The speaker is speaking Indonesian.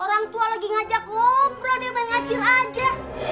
orang tua lagi ngajak ngobrol dia main ngacir aja